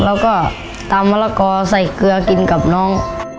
แล้วก็ตำมะละกอใส่เกลือกินกับน้อง